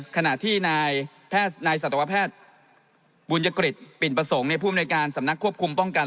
ขณะที่นายสัตวแพทย์บุญยกฤษปิ่นประสงค์ผู้อำนวยการสำนักควบคุมป้องกัน